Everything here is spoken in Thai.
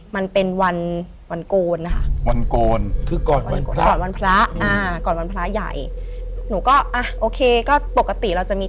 มันเป็นวันวันโกรณนะคะ